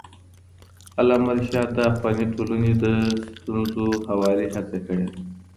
علامه رشاد د افغاني ټولنې د ستونزو هواري هڅه کړې ده.